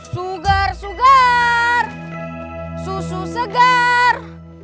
sugar sugar susu segar